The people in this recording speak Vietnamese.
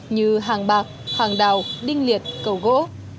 như hàng bạc hàng đào đinh liệt cầu gỗ